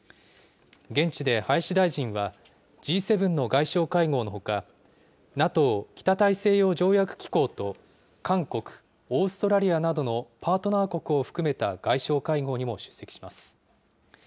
現地で林大臣は、Ｇ７の外相会合のほか、ＮＡＴＯ・北大西洋条約機構と、韓国、オーストラリアなどのパートナー国を含めた外相会合にも出席します。